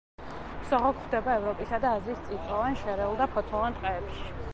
სოღო გვხვდება ევროპისა და აზიის წიწვოვან, შერეულ და ფოთლოვან ტყეებში.